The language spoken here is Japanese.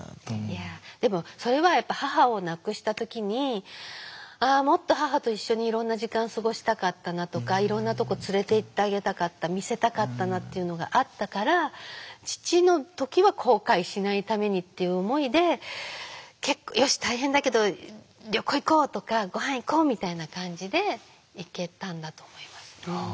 いやでもそれは母を亡くした時に「ああもっと母と一緒にいろんな時間過ごしたかったな」とか「いろんなとこ連れていってあげたかった見せたかったな」というのがあったからっていう思いで「よし大変だけど旅行行こう」とか「ごはん行こう」みたいな感じで行けたんだと思います。